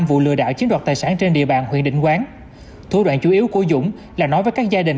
vụ lừa đảo chiếm đoạt tài sản trên địa bàn huyện định quán thủ đoạn chủ yếu của dũng là nói với các gia đình